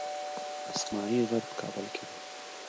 اسمايي غر په کابل کې دی